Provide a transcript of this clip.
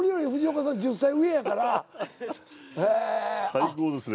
最高ですね。